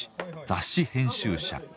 雑誌編集者